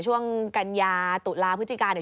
ช่วงกันยาตุลาพฤติกาเนี่ย